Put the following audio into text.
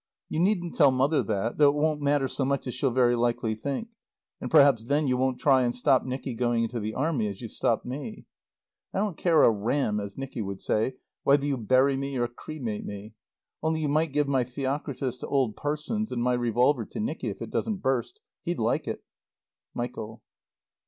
You needn't tell Mother that though it won't matter so much as she'll very likely think. And perhaps then you won't try and stop Nicky going into the Army as you've stopped me. I don't care a "ram", as Nicky would say, whether you bury me or cremate me; only you might give my Theocritus to old Parsons, and my revolver to Nicky if it doesn't burst. He'd like it. MICHAEL.